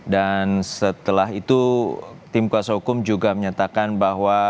dan setelah itu tim kuasa hukum juga menyatakan bahwa